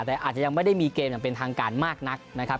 แต่อาจจะยังไม่ได้มีเกมอย่างเป็นทางการมากนักนะครับ